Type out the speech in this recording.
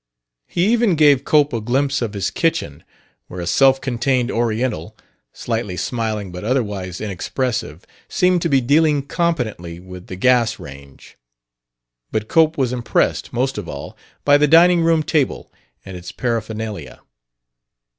He even gave Cope a glimpse of his kitchen, where a self contained Oriental, slightly smiling but otherwise inexpressive, seemed to be dealing competently with the gas range. But Cope was impressed, most of all, by the dining room table and its paraphernalia.